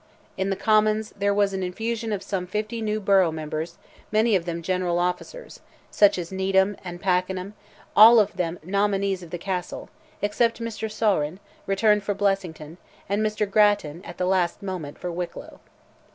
In the Commons there was an infusion of some 50 new borough members, many of them general officers, such as Needham, and Pakenham, all of them nominees of the Castle, except Mr. Saurin, returned for Blessington, and Mr. Grattan, at the last moment, for Wicklow.